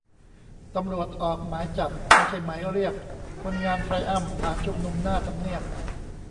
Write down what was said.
ตำรวจออก "หมายจับ" ไม่ใช่หมายเรียก คนงานไทรอัมพ์ ฐานชุมนุมหน้าทำเนียบ